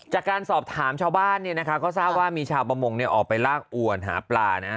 จากการสอบถามชาวบ้านก็ทราบว่ามีชาวประมงออกไปลากอวนหาปลานะฮะ